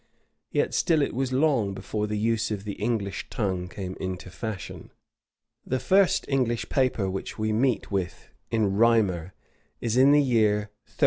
Yet still it was long before the use of the English tongue came into fashion. The first English paper which we meet with in Rymer is in the year 1386, during the reign of Richard II.